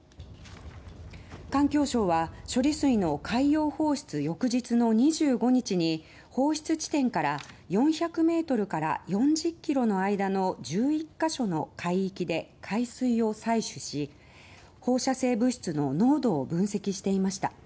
環境省は処理水の海洋放出翌日の２５日に放出地点から４００ｍから４０ｋｍの間の１１ヶ所の海域で海水を採取し放射性物質の濃度を分析していました。